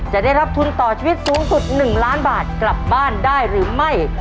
จะได้รับทุนต่อชีวิตสูงสุด๑ล้านบาทกลับบ้านได้หรือไม่